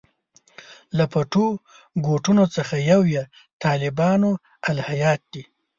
له پټو ګوټونو څخه یو یې طالبانو الهیات دي.